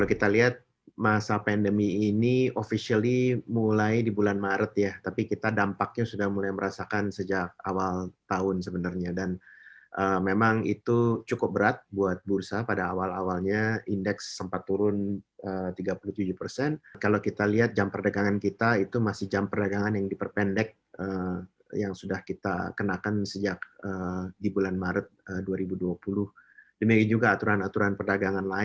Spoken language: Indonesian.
ihsg menurut pemerintah indonesia menunjukkan arah pembalikan dan bersiap menuju level tertingginya